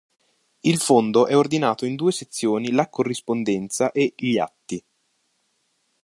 Il fondo è ordinato in due sezioni la "Corrispondenza" e gli "Atti".